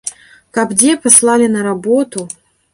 Каб дзе паслалі на работу.